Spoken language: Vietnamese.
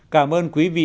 cảm ơn quý vị